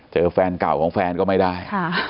แฟนเก่าของแฟนก็ไม่ได้